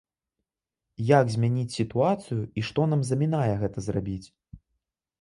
Як змяніць сітуацыю, і што нам замінае гэта зрабіць?